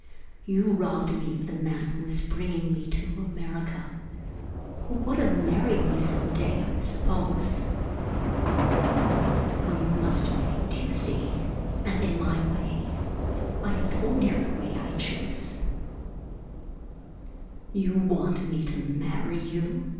You robbed me of the man who was bringing me to America who would have married me some day, I suppose. Well, you must pay, do you see, and in my way? I have told you the way I choose." "You want me to marry you?"